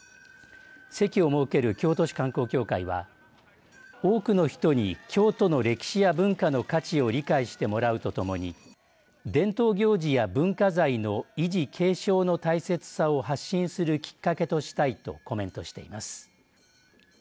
席を設ける京都市観光協会は多くの人に京都の歴史や文化の価値を理解してもらうと共に伝統行事や文化財の維持、継承の大切さを発信するきっかけとしたいとコメントしています。